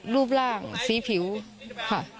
รูปร่างสีผิวค่ะ